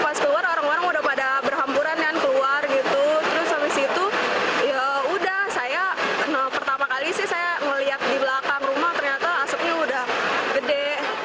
pas keluar orang orang udah pada berhamburan kan keluar gitu terus habis itu yaudah saya pertama kali sih saya melihat di belakang rumah ternyata asapnya udah gede